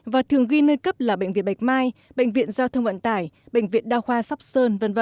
và thường ghi nơi cấp là bệnh viện bạch mai bệnh viện giao thông vận tải bệnh viện đa khoa sóc sơn v v